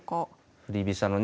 振り飛車のね